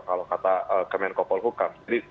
kalau kata kemenko polhukam